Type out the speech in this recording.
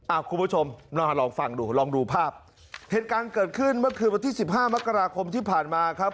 คุณผู้ชมลองฟังดูลองดูภาพเหตุการณ์เกิดขึ้นเมื่อคืนวันที่สิบห้ามกราคมที่ผ่านมาครับ